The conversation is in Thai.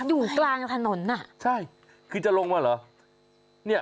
อยู่กลางถนนน่ะคุณฮีศาใช่คือจะลงมาเหรอ